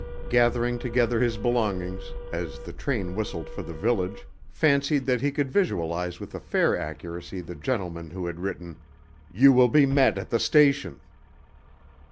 gathering together his belongings, as the train whistled for the village, fancied that he could visualize with a fair accuracy the gentleman who had written, "You will be met at the station."